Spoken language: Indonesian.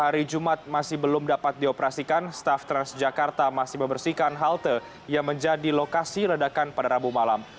hari jumat masih belum dapat dioperasikan staf transjakarta masih membersihkan halte yang menjadi lokasi ledakan pada rabu malam